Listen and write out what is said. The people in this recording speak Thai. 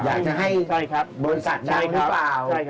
อยากจะให้บริษัทได้หรือเปล่า